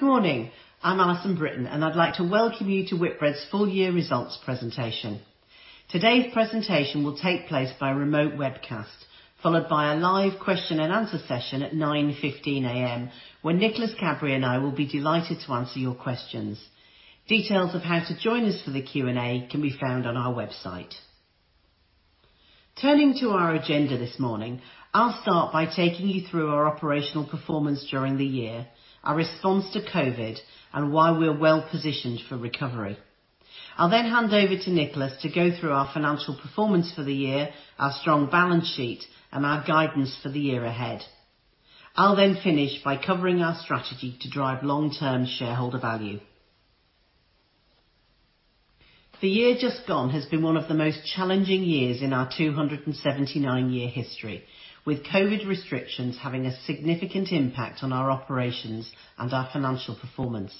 Good morning. I'm Alison Brittain. I'd like to welcome you to Whitbread's full year results presentation. Today's presentation will take place by remote webcast, followed by a live question and answer session at 9:15 A.M., when Nicholas Cadbury and I will be delighted to answer your questions. Details of how to join us for the Q&A can be found on our website. Turning to our agenda this morning, I'll start by taking you through our operational performance during the year, our response to COVID-19, and why we're well-positioned for recovery. I'll then hand over to Nicholas to go through our financial performance for the year, our strong balance sheet, and our guidance for the year ahead. I'll finish by covering our strategy to drive long-term shareholder value. The year just gone has been one of the most challenging years in our 279-year history, with COVID-19 restrictions having a significant impact on our operations and our financial performance.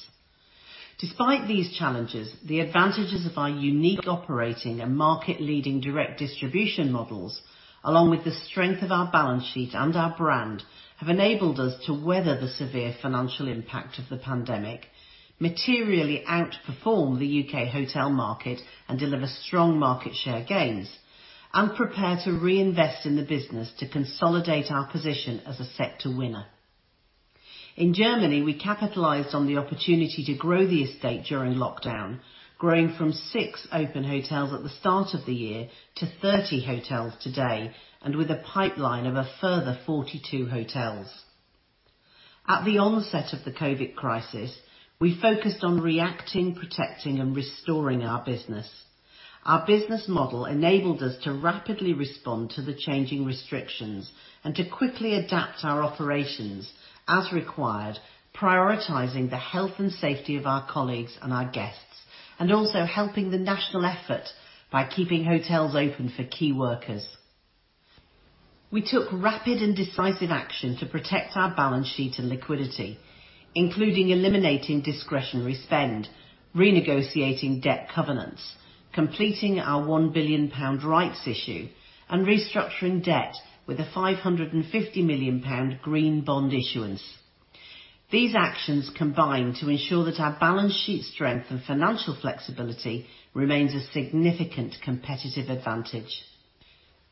Despite these challenges, the advantages of our unique operating and market-leading direct distribution models, along with the strength of our balance sheet and our brand, have enabled us to weather the severe financial impact of the pandemic, materially outperform the U.K. hotel market and deliver strong market share gains, and prepare to reinvest in the business to consolidate our position as a sector winner. In Germany, we capitalized on the opportunity to grow the estate during lockdown, growing from six open hotels at the start of the year to 30 hotels today, and with a pipeline of a further 42 hotels. At the onset of the COVID-19 crisis, we focused on reacting, protecting, and restoring our business. Our business model enabled us to rapidly respond to the changing restrictions and to quickly adapt our operations as required, prioritizing the health and safety of our colleagues and our guests, and also helping the national effort by keeping hotels open for key workers. We took rapid and decisive action to protect our balance sheet and liquidity, including eliminating discretionary spend, renegotiating debt covenants, completing our 1 billion pound rights issue, and restructuring debt with a 550 million pound green bond issuance. These actions combine to ensure that our balance sheet strength and financial flexibility remains a significant competitive advantage.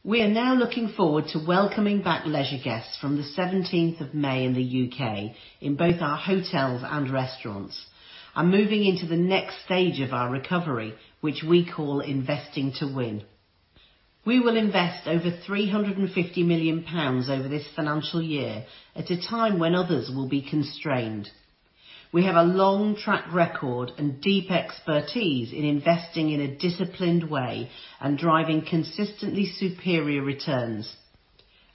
We are now looking forward to welcoming back leisure guests from the 17th of May in the U.K. in both our hotels and restaurants and moving into the next stage of our recovery, which we call Investing to Win. We will invest over 350 million pounds over this financial year at a time when others will be constrained. We have a long track record and deep expertise in investing in a disciplined way and driving consistently superior returns.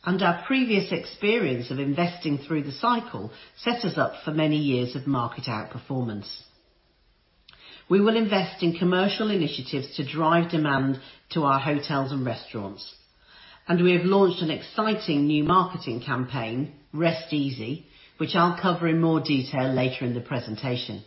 Our previous experience of investing through the cycle sets us up for many years of market outperformance. We will invest in commercial initiatives to drive demand to our hotels and restaurants, and we have launched an exciting new marketing campaign, Rest Easy, which I'll cover in more detail later in the presentation.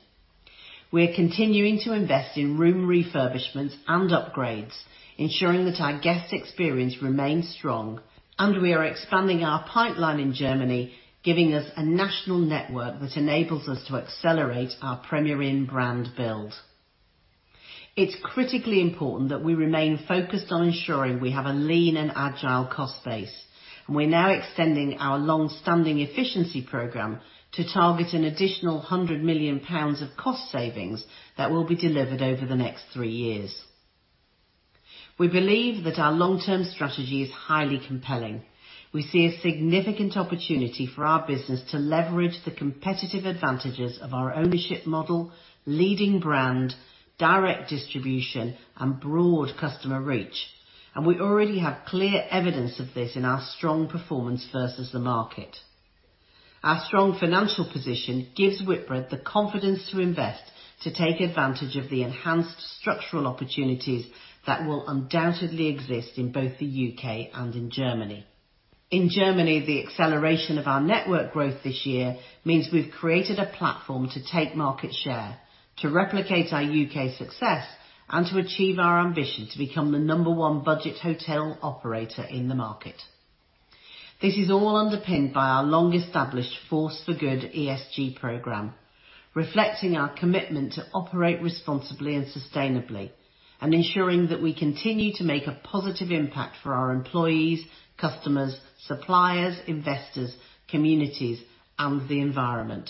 We're continuing to invest in room refurbishments and upgrades, ensuring that our guest experience remains strong, and we are expanding our pipeline in Germany, giving us a national network that enables us to accelerate our Premier Inn brand build. It's critically important that we remain focused on ensuring we have a lean and agile cost base, and we're now extending our longstanding efficiency program to target an additional 100 million pounds of cost savings that will be delivered over the next three years. We believe that our long-term strategy is highly compelling. We see a significant opportunity for our business to leverage the competitive advantages of our ownership model, leading brand, direct distribution, and broad customer reach, and we already have clear evidence of this in our strong performance versus the market. Our strong financial position gives Whitbread the confidence to invest to take advantage of the enhanced structural opportunities that will undoubtedly exist in both the U.K. and in Germany. In Germany, the acceleration of our network growth this year means we've created a platform to take market share, to replicate our U.K. success, and to achieve our ambition to become the number one budget hotel operator in the market. This is all underpinned by our long-established Force for Good ESG program, reflecting our commitment to operate responsibly and sustainably and ensuring that we continue to make a positive impact for our employees, customers, suppliers, investors, communities, and the environment.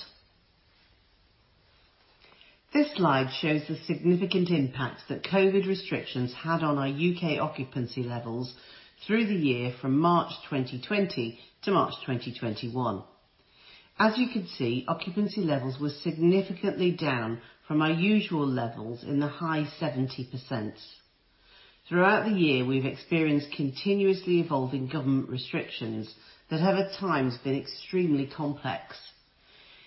This slide shows the significant impact that COVID-19 restrictions had on our U.K. occupancy levels through the year from March 2020 to March 2021. As you can see, occupancy levels were significantly down from our usual levels in the high 70%. Throughout the year, we've experienced continuously evolving government restrictions that have, at times, been extremely complex.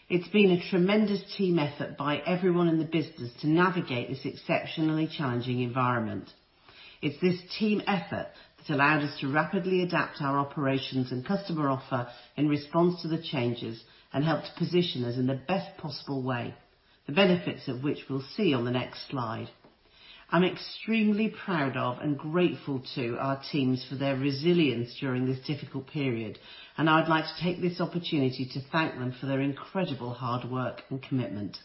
It's been a tremendous team effort by everyone in the business to navigate this exceptionally challenging environment. It's this team effort that allowed us to rapidly adapt our operations and customer offer in response to the changes and helped position us in the best possible way, the benefits of which we'll see on the next slide. I'm extremely proud of and grateful to our teams for their resilience during this difficult period, and I would like to take this opportunity to thank them for their incredible hard work and commitment.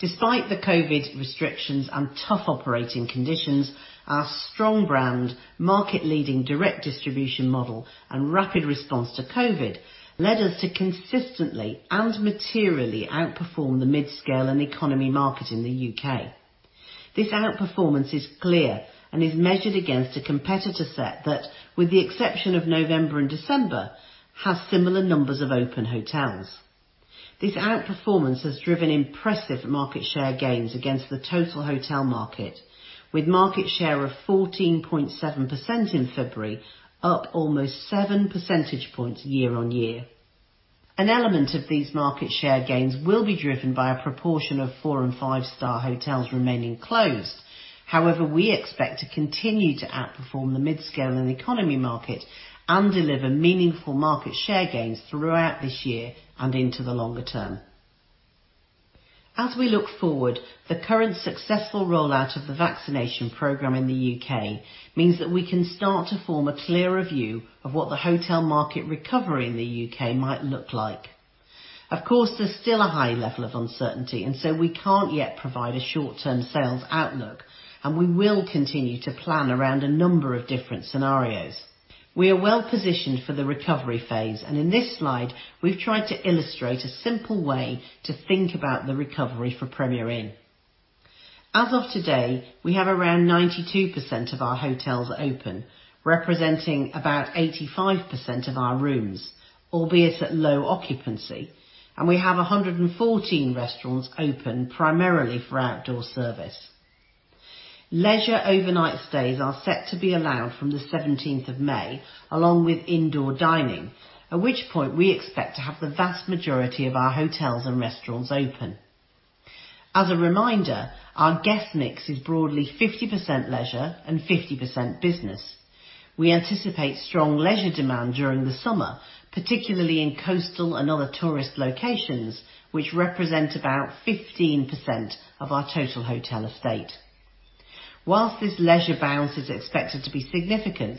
Despite the COVID restrictions and tough operating conditions, our strong brand, market-leading direct distribution model, and rapid response to COVID led us to consistently and materially outperform the mid-scale and economy market in the U.K. This outperformance is clear and is measured against a competitor set that, with the exception of November and December, has similar numbers of open hotels. This outperformance has driven impressive market share gains against the total hotel market, with market share of 14.7% in February, up almost 7 percentage points year-over-year. An element of these market share gains will be driven by a proportion of 4 and 5-star hotels remaining closed. However, we expect to continue to outperform the mid-scale and economy market and deliver meaningful market share gains throughout this year and into the longer term. As we look forward, the current successful rollout of the vaccination program in the U.K. means that we can start to form a clearer view of what the hotel market recovery in the U.K. might look like. Of course, there's still a high level of uncertainty, and so we can't yet provide a short-term sales outlook, and we will continue to plan around a number of different scenarios. We are well-positioned for the recovery phase, and in this slide, we've tried to illustrate a simple way to think about the recovery for Premier Inn. As of today, we have around 92% of our hotels open, representing about 85% of our rooms, albeit at low occupancy, and we have 114 restaurants open primarily for outdoor service. Leisure overnight stays are set to be allowed from the 17th of May, along with indoor dining, at which point we expect to have the vast majority of our hotels and restaurants open. As a reminder, our guest mix is broadly 50% leisure and 50% business. We anticipate strong leisure demand during the summer, particularly in coastal and other tourist locations, which represent about 15% of our total hotel estate. Whilst this leisure bounce is expected to be significant,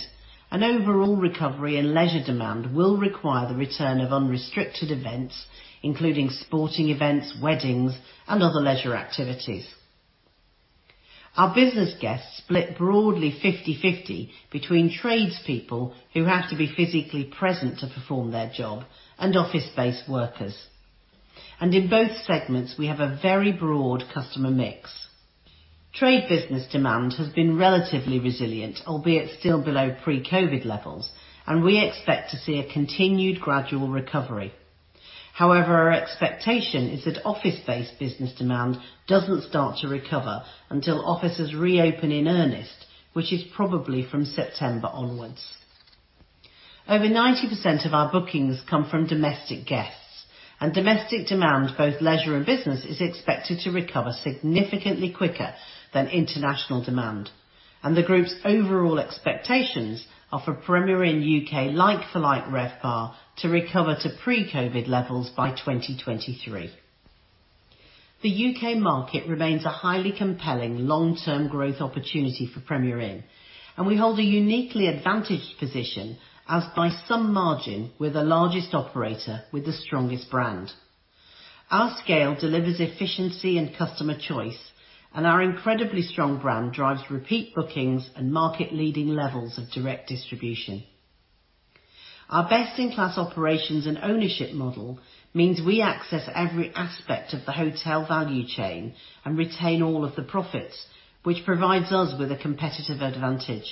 an overall recovery in leisure demand will require the return of unrestricted events, including sporting events, weddings, and other leisure activities. Our business guests split broadly 50/50 between tradespeople who have to be physically present to perform their job and office-based workers. In both segments, we have a very broad customer mix. Trade business demand has been relatively resilient, albeit still below pre-COVID levels. We expect to see a continued gradual recovery. However, our expectation is that office-based business demand doesn't start to recover until offices reopen in earnest, which is probably from September onwards. Over 90% of our bookings come from domestic guests. Domestic demand, both leisure and business, is expected to recover significantly quicker than international demand. The group's overall expectations are for Premier Inn U.K. like-for-like RevPAR to recover to pre-COVID levels by 2023. The U.K. market remains a highly compelling long-term growth opportunity for Premier Inn, and we hold a uniquely advantaged position as, by some margin, we're the largest operator with the strongest brand. Our scale delivers efficiency and customer choice, and our incredibly strong brand drives repeat bookings and market-leading levels of direct distribution. Our best-in-class operations and ownership model means we access every aspect of the hotel value chain and retain all of the profits, which provides us with a competitive advantage.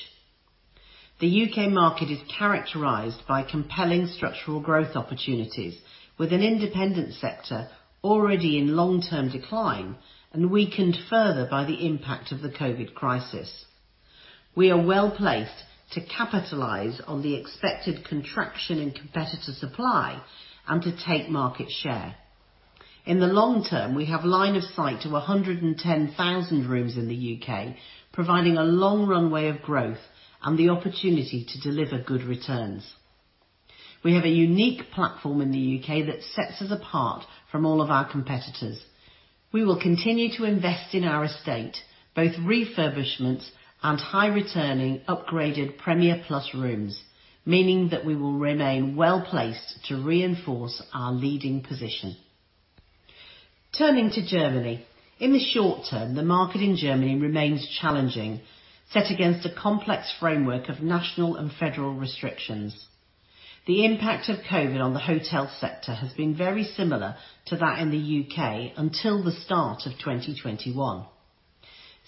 The U.K. market is characterized by compelling structural growth opportunities, with an independent sector already in long-term decline and weakened further by the impact of the COVID crisis. We are well-placed to capitalize on the expected contraction in competitor supply and to take market share. In the long term, we have line of sight to 110,000 rooms in the U.K., providing a long runway of growth and the opportunity to deliver good returns. We have a unique platform in the U.K. that sets us apart from all of our competitors. We will continue to invest in our estate, both refurbishments and high-returning upgraded Premier Plus rooms, meaning that we will remain well-placed to reinforce our leading position. Turning to Germany. In the short term, the market in Germany remains challenging, set against a complex framework of national and federal restrictions. The impact of COVID on the hotel sector has been very similar to that in the U.K. until the start of 2021.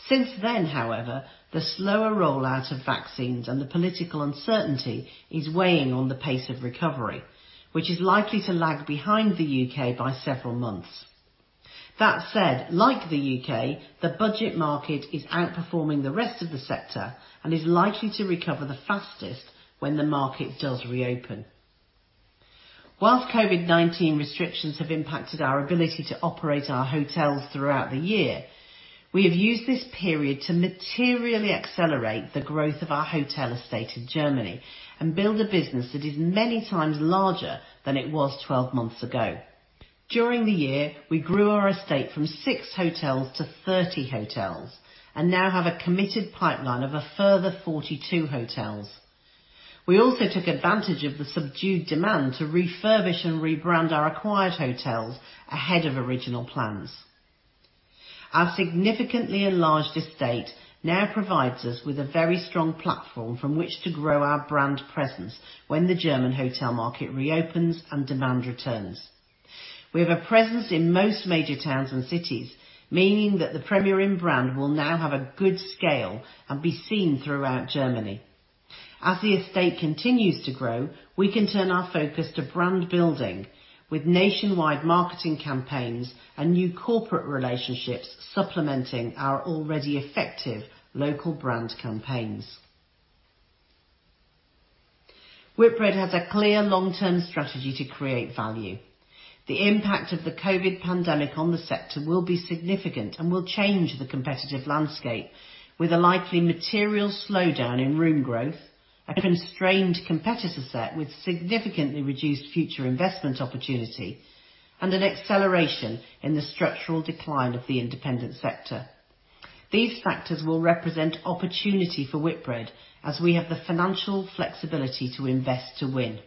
Since then, however, the slower rollout of vaccines and the political uncertainty is weighing on the pace of recovery, which is likely to lag behind the U.K. by several months. That said, like the U.K., the budget market is outperforming the rest of the sector and is likely to recover the fastest when the market does reopen. Whilst COVID-19 restrictions have impacted our ability to operate our hotels throughout the year, we have used this period to materially accelerate the growth of our hotel estate in Germany and build a business that is many times larger than it was 12 months ago. During the year, we grew our estate from six hotels to 30 hotels, and now have a committed pipeline of a further 42 hotels. We also took advantage of the subdued demand to refurbish and rebrand our acquired hotels ahead of original plans. Our significantly enlarged estate now provides us with a very strong platform from which to grow our brand presence when the German hotel market reopens and demand returns. We have a presence in most major towns and cities, meaning that the Premier Inn brand will now have a good scale and be seen throughout Germany. As the estate continues to grow, we can turn our focus to brand building with nationwide marketing campaigns and new corporate relationships supplementing our already effective local brand campaigns. Whitbread has a clear long-term strategy to create value. The impact of the COVID pandemic on the sector will be significant and will change the competitive landscape with a likely material slowdown in room growth, a constrained competitor set with significantly reduced future investment opportunity, and an acceleration in the structural decline of the independent sector. These factors will represent opportunity for Whitbread as we have the financial flexibility to invest to win.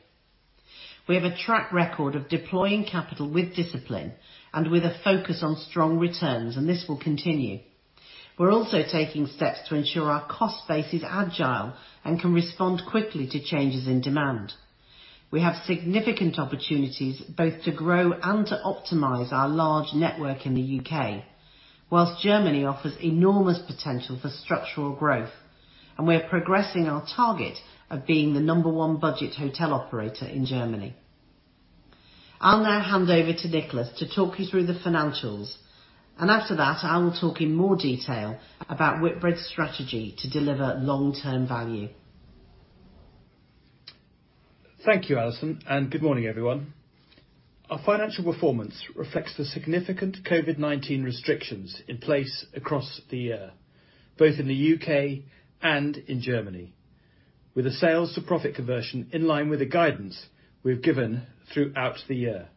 We have a track record of deploying capital with discipline and with a focus on strong returns, and this will continue. We're also taking steps to ensure our cost base is agile and can respond quickly to changes in demand. We have significant opportunities both to grow and to optimize our large network in the U.K., while Germany offers enormous potential for structural growth. We're progressing our target of being the number one budget hotel operator in Germany. I'll now hand over to Nicholas to talk you through the financials. After that, I will talk in more detail about Whitbread's strategy to deliver long-term value. Thank you, Alison. Good morning, everyone. Our financial performance reflects the significant COVID-19 restrictions in place across the year, both in the U.K. and in Germany, with a sales to profit conversion in line with the guidance we've given throughout the year.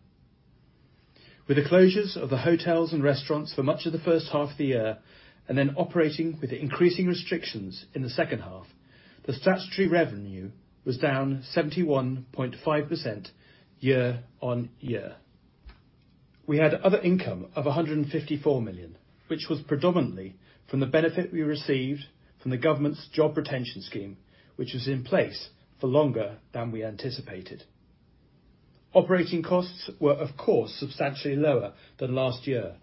With the closures of the hotels and restaurants for much of the first half of the year, and then operating with increasing restrictions in the second half, the statutory revenue was down 71.5% year-on-year. We had other income of 154 million, which was predominantly from the benefit we received from the government's Coronavirus Job Retention Scheme, which was in place for longer than we anticipated. Operating costs were of course substantially lower than last year,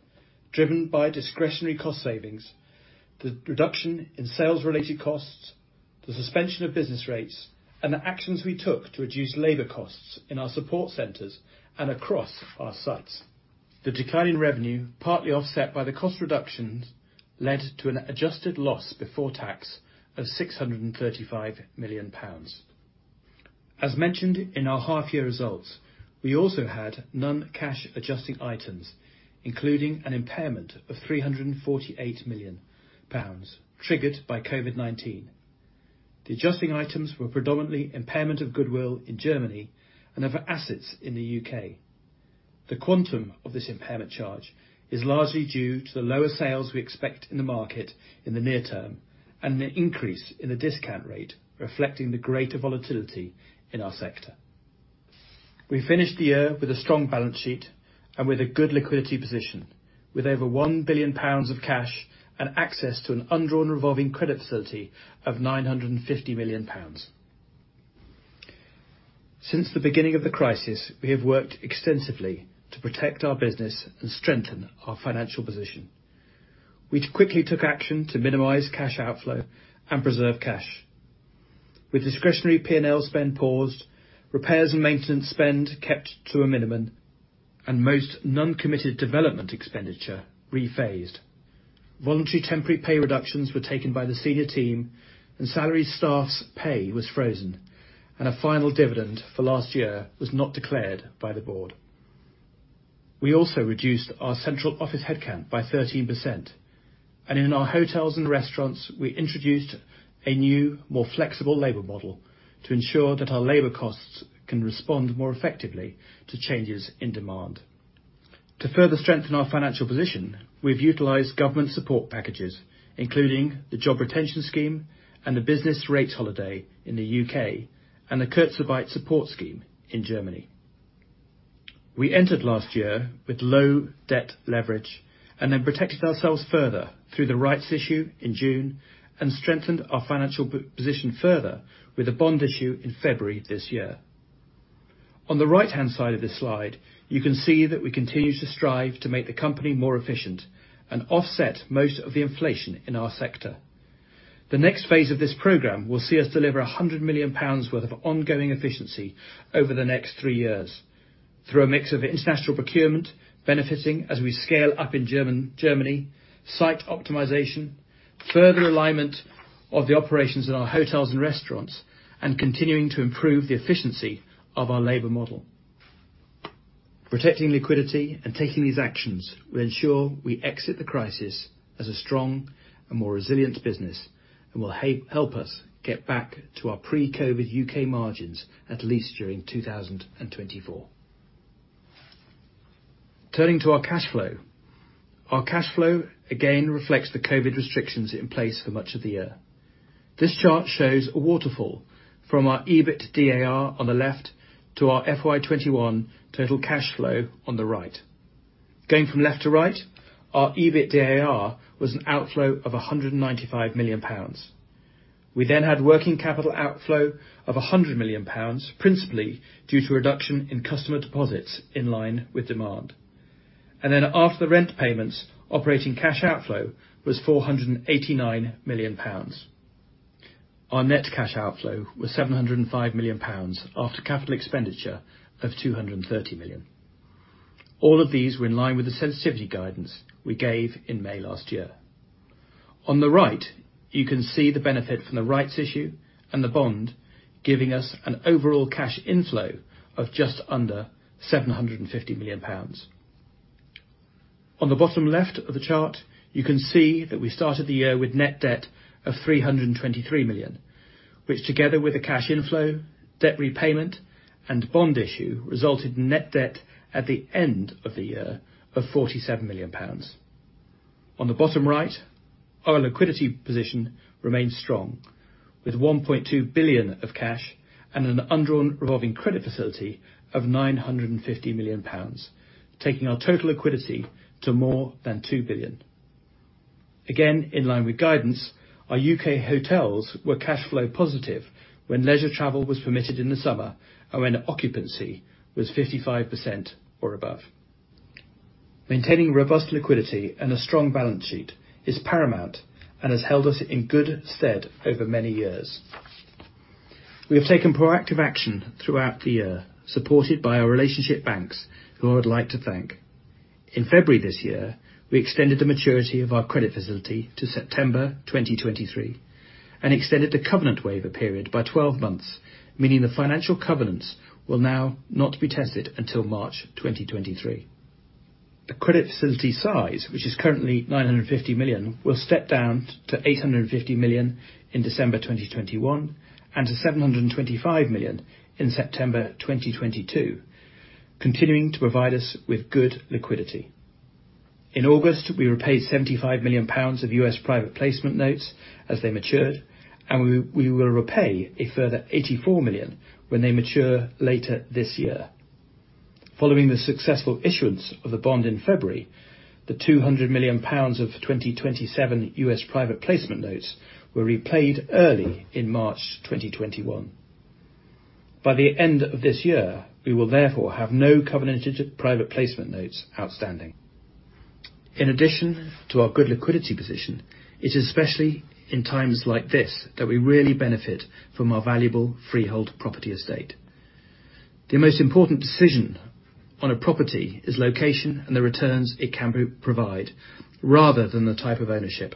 driven by discretionary cost savings, the reduction in sales related costs, the suspension of business rates, and the actions we took to reduce labor costs in our support centers and across our sites. The decline in revenue, partly offset by the cost reductions, led to an adjusted loss before tax of 635 million pounds. As mentioned in our half year results, we also had non-cash adjusting items, including an impairment of 348 million pounds triggered by COVID-19. The adjusting items were predominantly impairment of goodwill in Germany and other assets in the U.K. The quantum of this impairment charge is largely due to the lower sales we expect in the market in the near term and an increase in the discount rate reflecting the greater volatility in our sector. We finished the year with a strong balance sheet and with a good liquidity position with over 1 billion pounds of cash and access to an undrawn revolving credit facility of 950 million pounds. Since the beginning of the crisis, we have worked extensively to protect our business and strengthen our financial position. We quickly took action to minimize cash outflow and preserve cash. With discretionary P&L spend paused, repairs and maintenance spend kept to a minimum, and most non-committed development expenditure rephased. Voluntary temporary pay reductions were taken by the senior team and salaried staff's pay was frozen, and a final dividend for last year was not declared by the board. We also reduced our central office headcount by 13%, and in our hotels and restaurants, we introduced a new, more flexible labor model to ensure that our labor costs can respond more effectively to changes in demand. To further strengthen our financial position, we've utilized government support packages, including the Coronavirus Job Retention Scheme and the business rates holiday in the U.K. and the Kurzarbeit in Germany. We entered last year with low debt leverage and then protected ourselves further through the rights issue in June and strengthened our financial position further with a bond issue in February this year. On the right-hand side of this slide, you can see that we continue to strive to make the company more efficient and offset most of the inflation in our sector. The next phase of this program will see us deliver 100 million pounds worth of ongoing efficiency over the next three years through a mix of international procurement, benefiting as we scale up in Germany, site optimization, further alignment of the operations in our hotels and restaurants, and continuing to improve the efficiency of our labor model. Protecting liquidity and taking these actions will ensure we exit the crisis as a strong and more resilient business and will help us get back to our pre-COVID-19 U.K. margins, at least during 2024. Turning to our cash flow. Our cash flow again reflects the COVID-19 restrictions in place for much of the year. This chart shows a waterfall from our EBITDA on the left to our FY 2021 total cash flow on the right. Going from left to right, our EBITDA was an outflow of 195 million pounds. We had working capital outflow of 100 million pounds, principally due to reduction in customer deposits in line with demand. After the rent payments, operating cash outflow was 489 million pounds. Our net cash outflow was 705 million pounds after capital expenditure of 230 million. All of these were in line with the sensitivity guidance we gave in May last year. On the right, you can see the benefit from the rights issue and the bond giving us an overall cash inflow of just under 750 million pounds. On the bottom left of the chart, you can see that we started the year with net debt of 323 million, which together with a cash inflow, debt repayment, and bond issue, resulted in net debt at the end of the year of 47 million pounds. On the bottom right, our liquidity position remains strong with 1.2 billion of cash and an undrawn revolving credit facility of 950 million pounds, taking our total liquidity to more than 2 billion. Again, in line with guidance, our U.K. hotels were cash flow positive when leisure travel was permitted in the summer and when occupancy was 55% or above. Maintaining robust liquidity and a strong balance sheet is paramount and has held us in good stead over many years. We have taken proactive action throughout the year, supported by our relationship banks, who I would like to thank. In February this year, we extended the maturity of our credit facility to September 2023 and extended the covenant waiver period by 12 months, meaning the financial covenants will now not be tested until March 2023. The credit facility size, which is currently 950 million, will step down to 850 million in December 2021 and to 725 million in September 2022, continuing to provide us with good liquidity. In August, we repaid 75 million pounds of U.S. private placement notes as they matured, and we will repay a further 84 million when they mature later this year. Following the successful issuance of the bond in February, the 200 million pounds of 2027 U.S. private placement notes were repaid early in March 2021. By the end of this year, we will therefore have no covenanted private placement notes outstanding. In addition to our good liquidity position, it is especially in times like this that we really benefit from our valuable freehold property estate. The most important decision on a property is location and the returns it can provide rather than the type of ownership.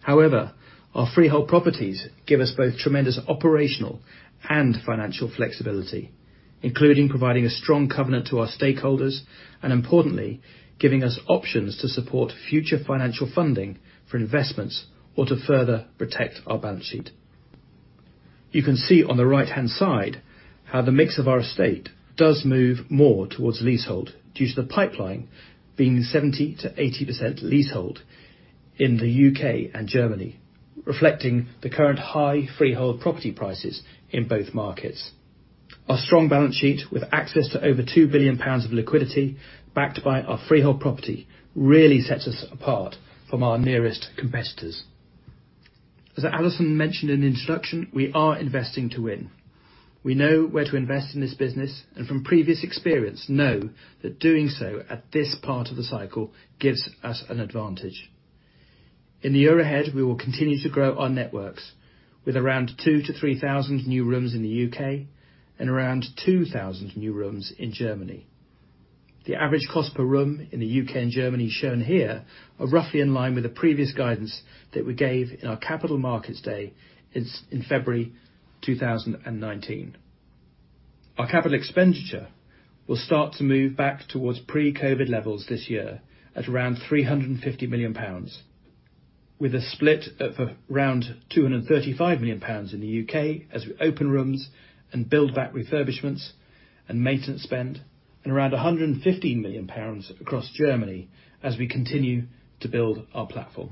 However, our freehold properties give us both tremendous operational and financial flexibility, including providing a strong covenant to our stakeholders and importantly, giving us options to support future financial funding for investments or to further protect our balance sheet. You can see on the right-hand side how the mix of our estate does move more towards leasehold due to the pipeline being 70%-80% leasehold in the U.K. and Germany, reflecting the current high freehold property prices in both markets. Our strong balance sheet with access to over 2 billion pounds of liquidity backed by our freehold property really sets us apart from our nearest competitors. As Alison mentioned in the introduction, we are investing to win. We know where to invest in this business and from previous experience, know that doing so at this part of the cycle gives us an advantage. In the year ahead, we will continue to grow our networks with around 2,000-3,000 new rooms in the U.K. and around 2,000 new rooms in Germany. The average cost per room in the U.K. and Germany shown here are roughly in line with the previous guidance that we gave in our capital markets day in February 2019. Our capital expenditure will start to move back towards pre-COVID levels this year at around 350 million pounds, with a split of around 235 million pounds in the U.K. as we open rooms and build back refurbishments and maintenance spend and around 115 million pounds across Germany as we continue to build our platform.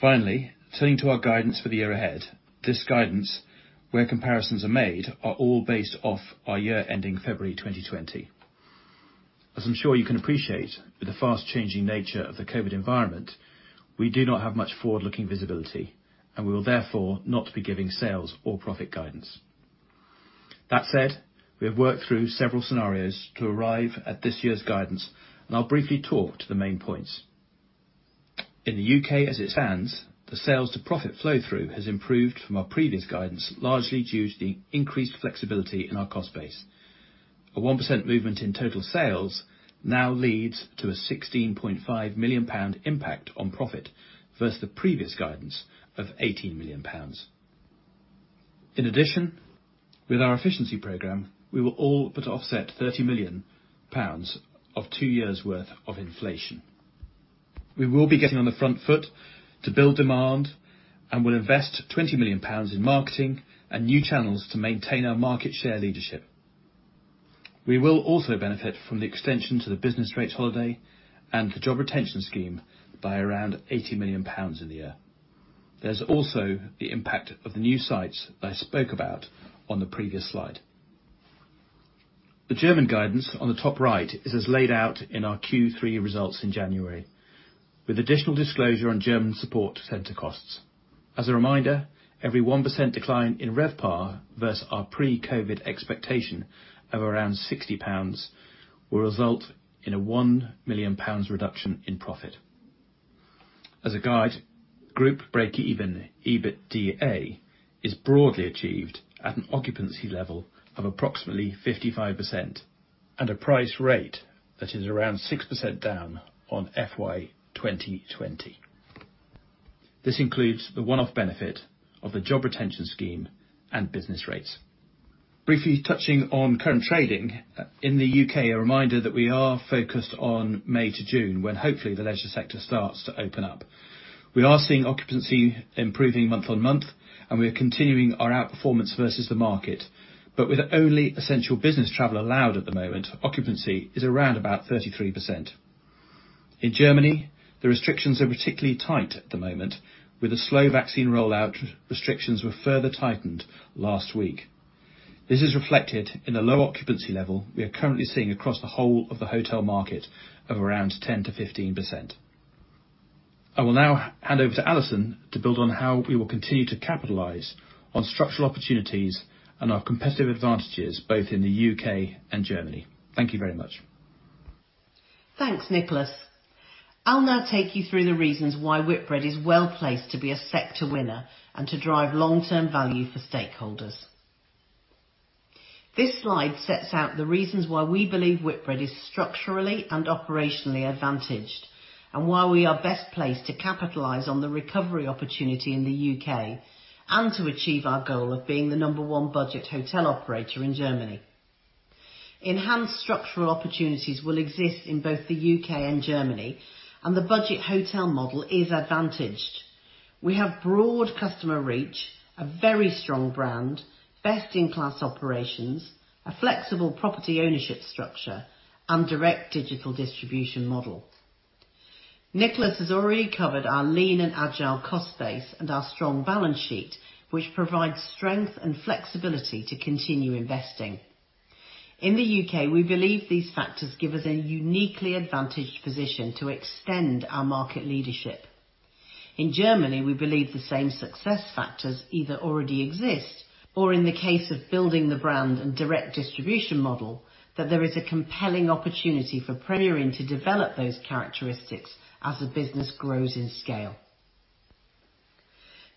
Finally, turning to our guidance for the year ahead. This guidance, where comparisons are made, are all based off our year ending February 2020. As I'm sure you can appreciate, with the fast-changing nature of the COVID environment, we do not have much forward-looking visibility, and we will therefore not be giving sales or profit guidance. That said, we have worked through several scenarios to arrive at this year's guidance, and I'll briefly talk to the main points. In the U.K. as it stands, the sales to profit flow-through has improved from our previous guidance, largely due to the increased flexibility in our cost base. A 1% movement in total sales now leads to a GBP 16.5 million impact on profit versus the previous guidance of GBP 18 million. In addition, with our efficiency program, we will all but offset 30 million pounds of two years' worth of inflation. We will be getting on the front foot to build demand and will invest 20 million pounds in marketing and new channels to maintain our market share leadership. We will also benefit from the extension to the business rates holiday and the Job Retention Scheme by around 80 million pounds in the year. There's also the impact of the new sites that I spoke about on the previous slide. The German guidance on the top right is as laid out in our Q3 results in January, with additional disclosure on German support center costs. As a reminder, every 1% decline in RevPAR versus our pre-COVID expectation of around 60 pounds will result in a 1 million pounds reduction in profit. As a guide, group breakeven, EBITDA, is broadly achieved at an occupancy level of approximately 55% and a price rate that is around 6% down on FY 2020. This includes the one-off benefit of the Job Retention Scheme and Business Rates. Briefly touching on current trading. In the U.K., a reminder that we are focused on May to June, when hopefully the leisure sector starts to open up. We are seeing occupancy improving month-on-month, and we are continuing our outperformance versus the market. With only essential business travel allowed at the moment, occupancy is around about 33%. In Germany, the restrictions are particularly tight at the moment. With a slow vaccine rollout, restrictions were further tightened last week. This is reflected in the low occupancy level we are currently seeing across the whole of the hotel market of around 10%-15%. I will now hand over to Alison to build on how we will continue to capitalize on structural opportunities and our competitive advantages both in the U.K. and Germany. Thank you very much. Thanks, Nicholas. I'll now take you through the reasons why Whitbread is well-placed to be a sector winner and to drive long-term value for stakeholders. This slide sets out the reasons why we believe Whitbread is structurally and operationally advantaged, and why we are best placed to capitalize on the recovery opportunity in the U.K. and to achieve our goal of being the number one budget hotel operator in Germany. Enhanced structural opportunities will exist in both the U.K. and Germany. The budget hotel model is advantaged. We have broad customer reach, a very strong brand, best-in-class operations, a flexible property ownership structure, and direct digital distribution model. Nicholas has already covered our lean and agile cost base and our strong balance sheet, which provides strength and flexibility to continue investing. In the U.K., we believe these factors give us a uniquely advantaged position to extend our market leadership. In Germany, we believe the same success factors either already exist, or in the case of building the brand and direct distribution model, that there is a compelling opportunity for Premier Inn to develop those characteristics as the business grows in scale.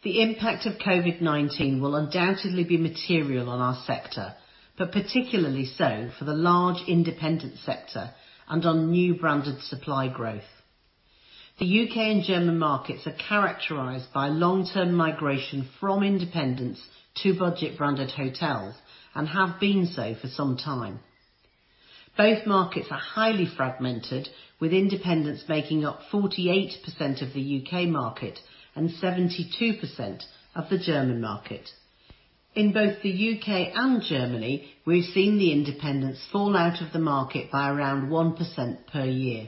The impact of COVID-19 will undoubtedly be material on our sector, but particularly so for the large independent sector and on new branded supply growth. The U.K. and German markets are characterized by long-term migration from independents to budget branded hotels and have been so for some time. Both markets are highly fragmented, with independents making up 48% of the U.K. market and 72% of the German market. In both the U.K. and Germany, we've seen the independents fall out of the market by around 1% per year.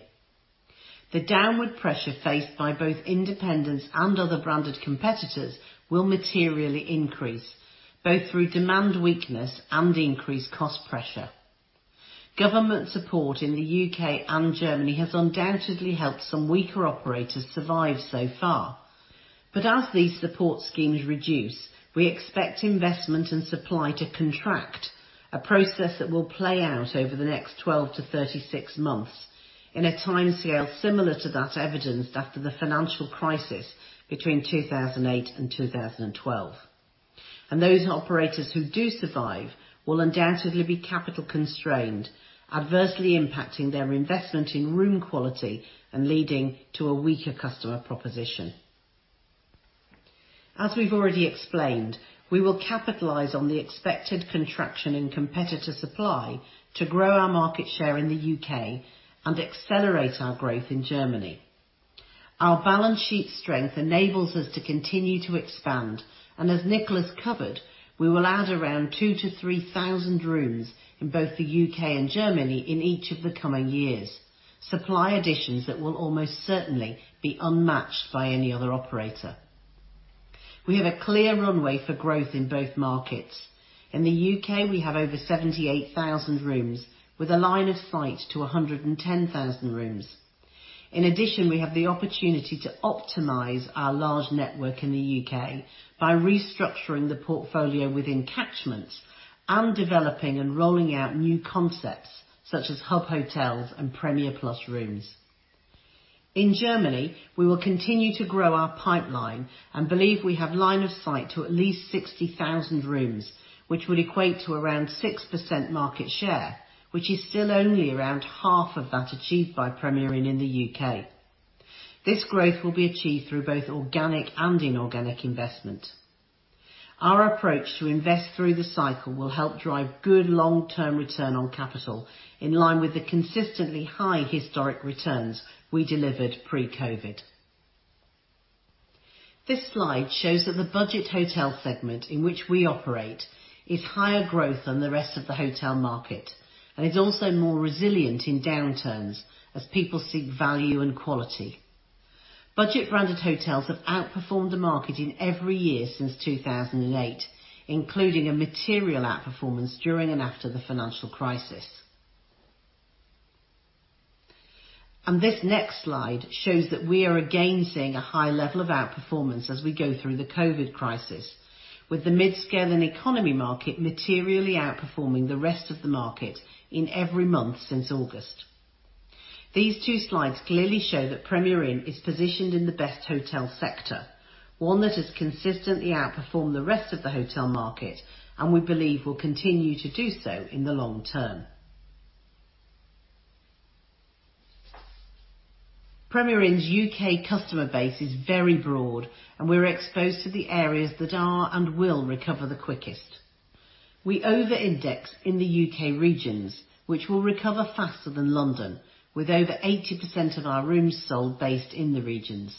The downward pressure faced by both independents and other branded competitors will materially increase, both through demand weakness and increased cost pressure. Government support in the U.K. and Germany has undoubtedly helped some weaker operators survive so far. As these support schemes reduce, we expect investment and supply to contract. A process that will play out over the next 12-36 months in a timescale similar to that evidenced after the financial crisis between 2008 and 2012. Those operators who do survive will undoubtedly be capital constrained, adversely impacting their investment in room quality and leading to a weaker customer proposition. As we've already explained, we will capitalize on the expected contraction in competitor supply to grow our market share in the U.K. and accelerate our growth in Germany. Our balance sheet strength enables us to continue to expand, and as Nicholas Cadbury covered, we will add around 2,000-3,000 rooms in both the U.K. and Germany in each of the coming years. Supply additions that will almost certainly be unmatched by any other operator. We have a clear runway for growth in both markets. In the U.K., we have over 78,000 rooms with a line of sight to 110,000 rooms. In addition, we have the opportunity to optimize our large network in the U.K. by restructuring the portfolio within catchments and developing and rolling out new concepts such as hub by Premier Inn and Premier Plus rooms. In Germany, we will continue to grow our pipeline and believe we have line of sight to at least 60,000 rooms, which would equate to around 6% market share, which is still only around half of that achieved by Premier Inn in the U.K. This growth will be achieved through both organic and inorganic investment. Our approach to invest through the cycle will help drive good long-term return on capital, in line with the consistently high historic returns we delivered pre-COVID. This slide shows that the budget hotel segment in which we operate is higher growth than the rest of the hotel market, and is also more resilient in downturns as people seek value and quality. Budget branded hotels have outperformed the market in every year since 2008, including a material outperformance during and after the financial crisis. This next slide shows that we are again seeing a high level of outperformance as we go through the COVID crisis, with the mid-scale and economy market materially outperforming the rest of the market in every month since August. These two slides clearly show that Premier Inn is positioned in the best hotel sector, one that has consistently outperformed the rest of the hotel market, and we believe will continue to do so in the long term. Premier Inn's U.K. customer base is very broad and we're exposed to the areas that are and will recover the quickest. We over-index in the U.K. regions, which will recover faster than London, with over 80% of our rooms sold based in the regions.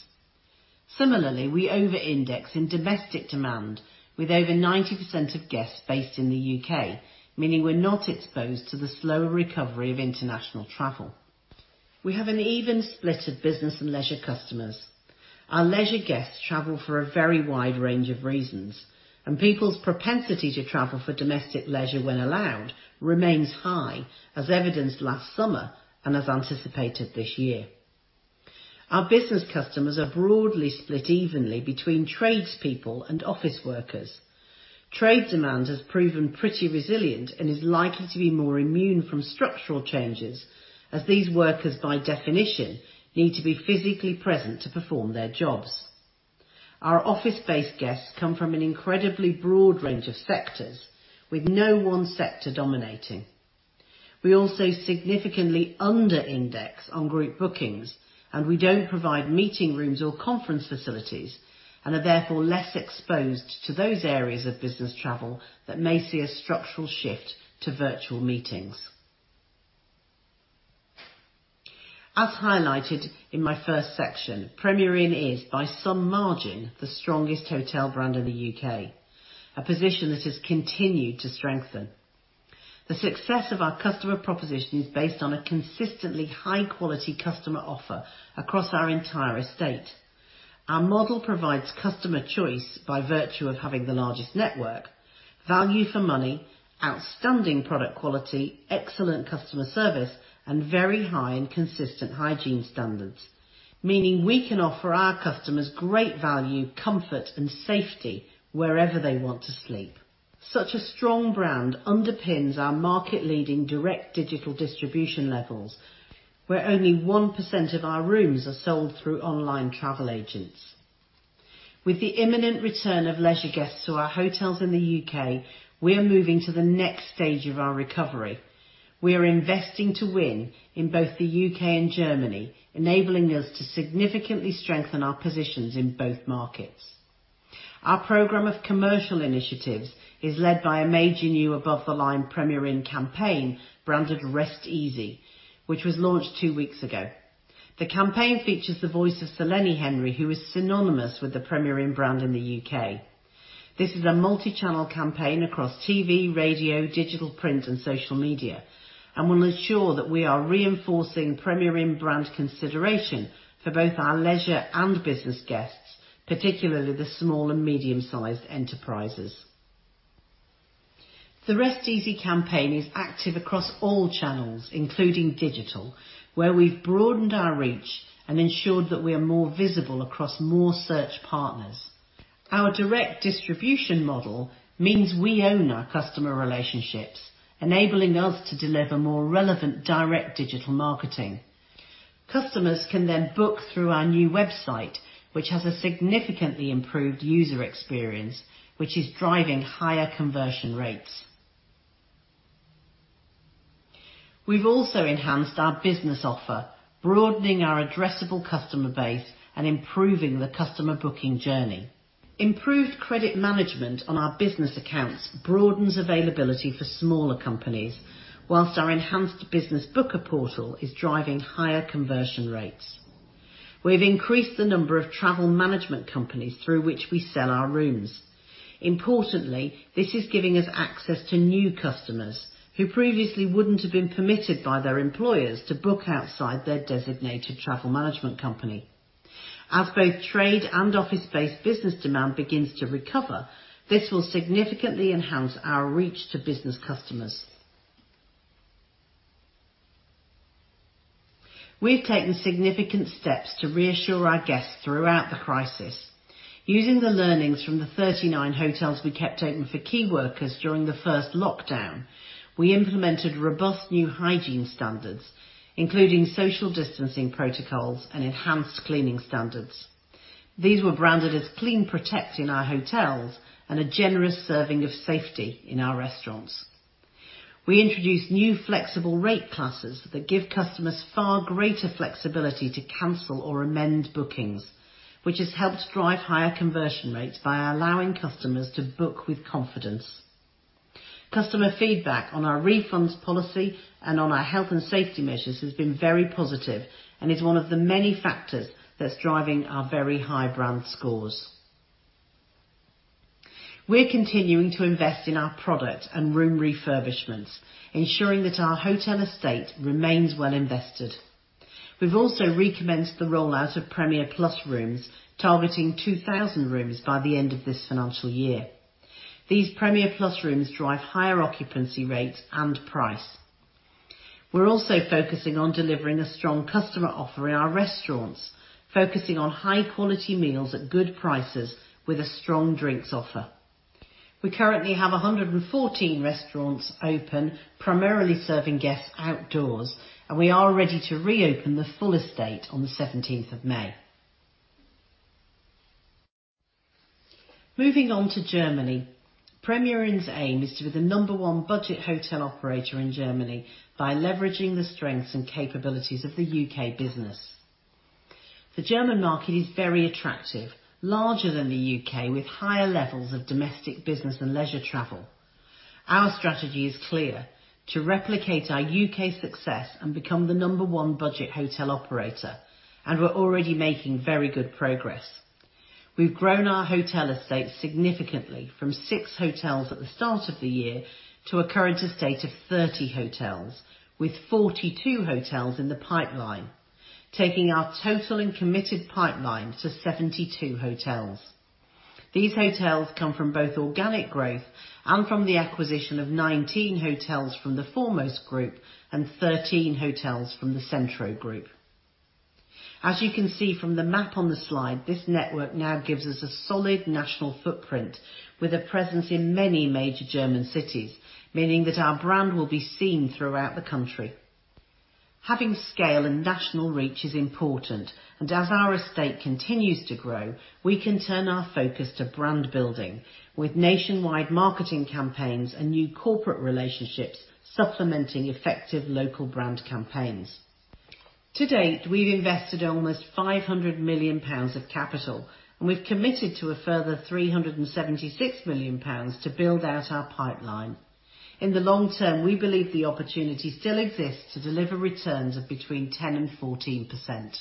Similarly, we over-index in domestic demand with over 90% of guests based in the U.K., meaning we're not exposed to the slower recovery of international travel. We have an even split of business and leisure customers. Our leisure guests travel for a very wide range of reasons, and people's propensity to travel for domestic leisure, when allowed, remains high, as evidenced last summer and as anticipated this year. Our business customers are broadly split evenly between tradespeople and office workers. Trade demand has proven pretty resilient and is likely to be more immune from structural changes as these workers, by definition, need to be physically present to perform their jobs. Our office-based guests come from an incredibly broad range of sectors with no one sector dominating. We also significantly under-index on group bookings, and we don't provide meeting rooms or conference facilities, and are therefore less exposed to those areas of business travel that may see a structural shift to virtual meetings. As highlighted in my first section, Premier Inn is, by some margin, the strongest hotel brand in the U.K., a position that has continued to strengthen. The success of our customer proposition is based on a consistently high-quality customer offer across our entire estate. Our model provides customer choice by virtue of having the largest network, value for money, outstanding product quality, excellent customer service, and very high and consistent hygiene standards, meaning we can offer our customers great value, comfort and safety wherever they want to sleep. Such a strong brand underpins our market leading direct digital distribution levels, where only 1% of our rooms are sold through online travel agents. With the imminent return of leisure guests to our hotels in the U.K., we are moving to the next stage of our recovery. We are investing to win in both the U.K. and Germany, enabling us to significantly strengthen our positions in both markets. Our program of commercial initiatives is led by a major new above-the-line Premier Inn campaign branded Rest Easy, which was launched two weeks ago. The campaign features the voice of Lenny Henry, who is synonymous with the Premier Inn brand in the U.K. This is a multi-channel campaign across TV, radio, digital print and social media and will ensure that we are reinforcing Premier Inn brand consideration for both our leisure and business guests, particularly the small and medium-sized enterprises. The Rest Easy campaign is active across all channels, including digital, where we've broadened our reach and ensured that we are more visible across more search partners. Our direct distribution model means we own our customer relationships, enabling us to deliver more relevant, direct digital marketing. Customers can then book through our new website, which has a significantly improved user experience, which is driving higher conversion rates. We've also enhanced our business offer, broadening our addressable customer base and improving the customer booking journey. Improved credit management on our business accounts broadens availability for smaller companies, while our enhanced business booker portal is driving higher conversion rates. We've increased the number of travel management companies through which we sell our rooms. Importantly, this is giving us access to new customers who previously wouldn't have been permitted by their employers to book outside their designated travel management company. As both trade and office-based business demand begins to recover, this will significantly enhance our reach to business customers. We've taken significant steps to reassure our guests throughout the crisis. Using the learnings from the 39 hotels we kept open for key workers during the first lockdown, we implemented robust new hygiene standards, including social distancing protocols and enhanced cleaning standards. These were branded as CleanProtect in our hotels and a generous serving of safety in our restaurants. We introduced new flexible rate classes that give customers far greater flexibility to cancel or amend bookings, which has helped drive higher conversion rates by allowing customers to book with confidence. Customer feedback on our refunds policy and on our health and safety measures has been very positive and is one of the many factors that's driving our very high brand scores. We're continuing to invest in our product and room refurbishments, ensuring that our hotel estate remains well invested. We've also recommenced the rollout of Premier Plus rooms, targeting 2,000 rooms by the end of this financial year. These Premier Plus rooms drive higher occupancy rates and price. We're also focusing on delivering a strong customer offer in our restaurants, focusing on high-quality meals at good prices with a strong drinks offer. We currently have 114 restaurants open, primarily serving guests outdoors, and we are ready to reopen the full estate on the 17th of May. Moving on to Germany. Premier Inn's aim is to be the number one budget hotel operator in Germany by leveraging the strengths and capabilities of the U.K. business. The German market is very attractive, larger than the U.K., with higher levels of domestic business and leisure travel. Our strategy is clear: to replicate our U.K. success and become the number one budget hotel operator, and we're already making very good progress. We've grown our hotel estate significantly from six hotels at the start of the year to a current estate of 30 hotels, with 42 hotels in the pipeline, taking our total and committed pipeline to 72 hotels. These hotels come from both organic growth and from the acquisition of 19 hotels from the Foremost Group and 13 hotels from the Centro Group. As you can see from the map on the slide, this network now gives us a solid national footprint with a presence in many major German cities, meaning that our brand will be seen throughout the country. Having scale and national reach is important, and as our estate continues to grow, we can turn our focus to brand building with nationwide marketing campaigns and new corporate relationships supplementing effective local brand campaigns. To date, we've invested almost 500 million pounds of capital, and we've committed to a further 376 million pounds to build out our pipeline. In the long term, we believe the opportunity still exists to deliver returns of between 10% and 14%.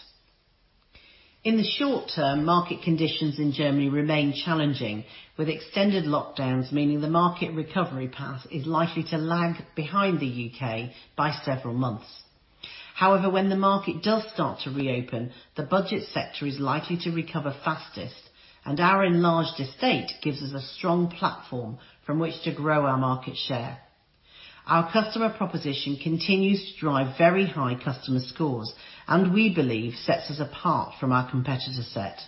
In the short term, market conditions in Germany remain challenging, with extended lockdowns meaning the market recovery path is likely to lag behind the U.K. by several months. However, when the market does start to reopen, the budget sector is likely to recover fastest, and our enlarged estate gives us a strong platform from which to grow our market share. Our customer proposition continues to drive very high customer scores, and we believe sets us apart from our competitor set.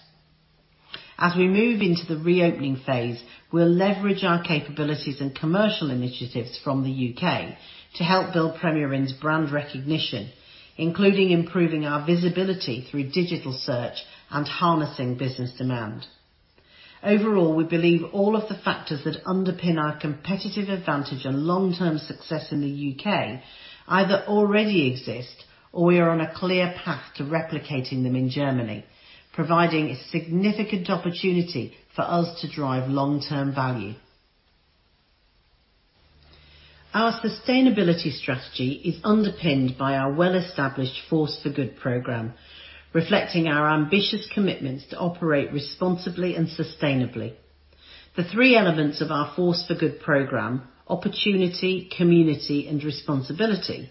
As we move into the reopening phase, we'll leverage our capabilities and commercial initiatives from the U.K. to help build Premier Inn's brand recognition, including improving our visibility through digital search and harnessing business demand. Overall, we believe all of the factors that underpin our competitive advantage and long-term success in the U.K. either already exist or we are on a clear path to replicating them in Germany, providing a significant opportunity for us to drive long-term value. Our sustainability strategy is underpinned by our well-established Force for Good program, reflecting our ambitious commitments to operate responsibly and sustainably. The three elements of our Force for Good program, opportunity, community, and responsibility,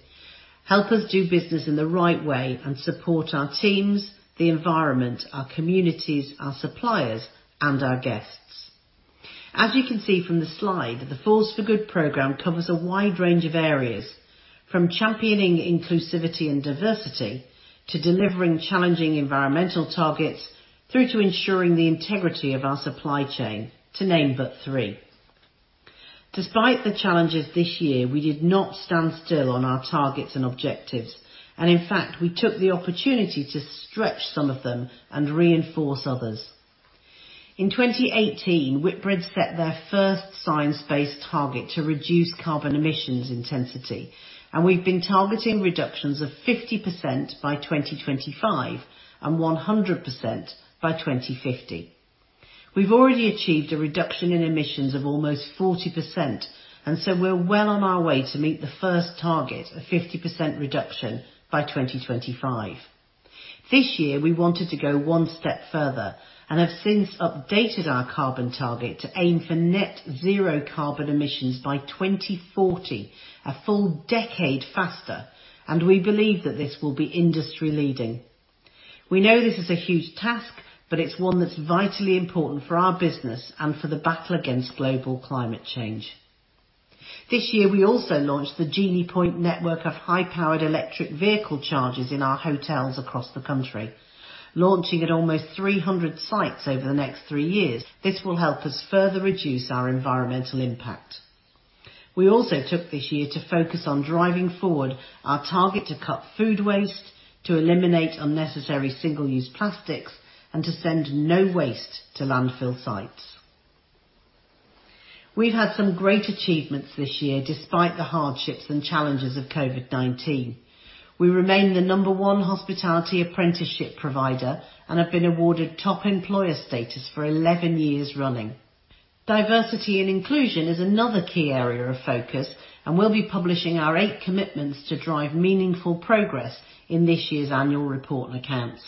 help us do business in the right way and support our teams, the environment, our communities, our suppliers, and our guests. As you can see from the slide, the Force for Good program covers a wide range of areas, from championing inclusivity and diversity, to delivering challenging environmental targets, through to ensuring the integrity of our supply chain, to name but three. Despite the challenges this year, we did not stand still on our targets and objectives, and in fact, we took the opportunity to stretch some of them and reinforce others. In 2018, Whitbread set their first science-based target to reduce carbon emissions intensity, and we've been targeting reductions of 50% by 2025 and 100% by 2050. We've already achieved a reduction in emissions of almost 40%, and so we're well on our way to meet the first target of 50% reduction by 2025. This year, we wanted to go one step further and have since updated our carbon target to aim for net zero carbon emissions by 2040, a full decade faster. We believe that this will be industry-leading. We know this is a huge task. It's one that's vitally important for our business and for the battle against global climate change. This year, we also launched the GeniePoint network of high-powered electric vehicle chargers in our hotels across the country. Launching at almost 300 sites over the next three years, this will help us further reduce our environmental impact. We also took this year to focus on driving forward our target to cut food waste, to eliminate unnecessary single-use plastics, and to send no waste to landfill sites. We've had some great achievements this year despite the hardships and challenges of COVID-19. We remain the number one hospitality apprenticeship provider and have been awarded top employer status for 11 years running. Diversity and inclusion is another key area of focus, and we'll be publishing our eight commitments to drive meaningful progress in this year's annual report and accounts.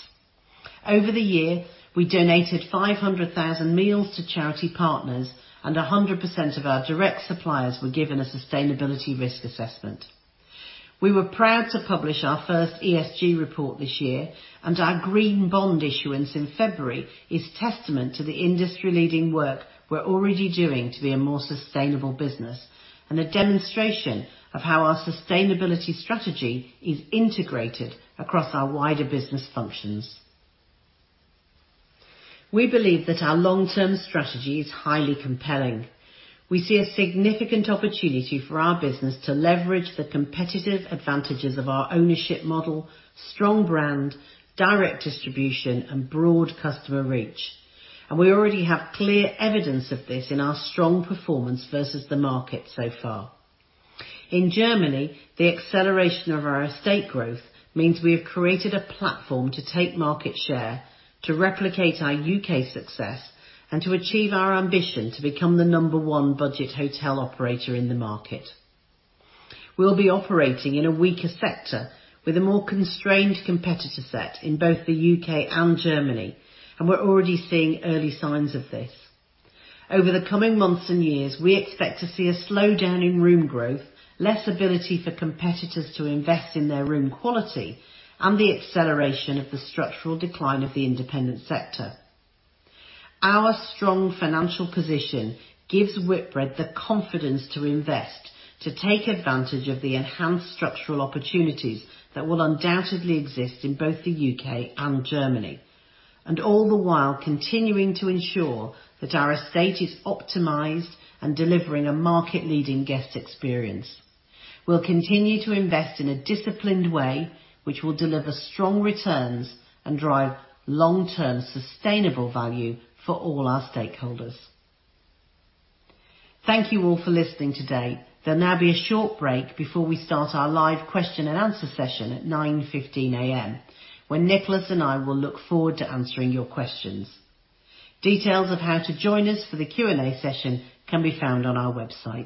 Over the year, we donated 500,000 meals to charity partners, and 100% of our direct suppliers were given a sustainability risk assessment. We were proud to publish our first ESG report this year, and our green bond issuance in February is testament to the industry-leading work we're already doing to be a more sustainable business, and a demonstration of how our sustainability strategy is integrated across our wider business functions. We believe that our long-term strategy is highly compelling. We see a significant opportunity for our business to leverage the competitive advantages of our ownership model, strong brand, direct distribution, and broad customer reach. We already have clear evidence of this in our strong performance versus the market so far. In Germany, the acceleration of our estate growth means we have created a platform to take market share, to replicate our U.K. success, and to achieve our ambition to become the number one budget hotel operator in the market. We'll be operating in a weaker sector with a more constrained competitor set in both the U.K. and Germany, and we're already seeing early signs of this. Over the coming months and years, we expect to see a slowdown in room growth, less ability for competitors to invest in their room quality, and the acceleration of the structural decline of the independent sector. Our strong financial position gives Whitbread the confidence to invest, to take advantage of the enhanced structural opportunities that will undoubtedly exist in both the U.K. and Germany. All the while, continuing to ensure that our estate is optimized and delivering a market-leading guest experience. We'll continue to invest in a disciplined way, which will deliver strong returns and drive long-term sustainable value for all our stakeholders. Thank you all for listening today. There'll now be a short break before we start our live question and answer session at 9:15 AM, when Nicholas and I will look forward to answering your questions. Details of how to join us for the Q&A session can be found on our website.